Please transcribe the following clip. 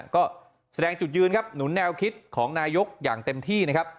ก็แสดงจุดยืนหนุนแนวคิดของนายกอย่างเต็มที่